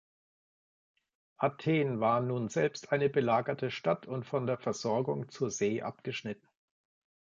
Athen war nun selbst eine belagerte Stadt und von der Versorgung zur See abgeschnitten.